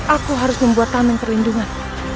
aku harus membuat tameng perlindungan